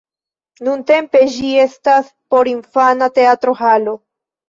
Nuntempe ĝi estas porinfana teatro-halo.